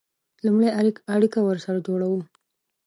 لومړی اړیکه ورسره جوړوو.